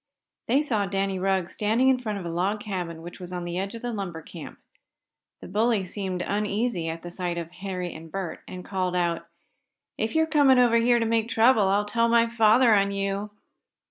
They saw Danny Rugg standing in front of a log cabin which was on the edge of a lumber camp. The bully seemed uneasy at the sight of Harry and Bert, and called out: "If you're coming here to make any trouble I'll tell my father on you.